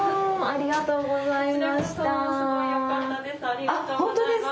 ありがとうございます。